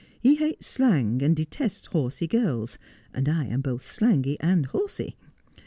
He hates slang, and detests horsey girls ; and I am both slangy and horsey.